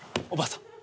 おばあさん